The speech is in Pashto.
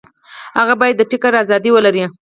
هغه باید د فکر ازادي ولري.